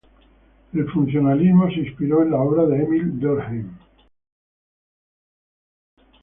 El funcionalismo se inspiró en la obra de Émile Durkheim.